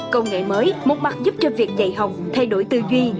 công nghệ mới một mặt giúp cho việc dạy học thay đổi tư duy